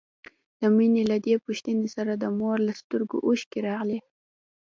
د مينې له دې پوښتنې سره د مور له سترګو اوښکې راغلې.